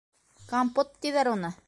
Компот тиҙәр уны.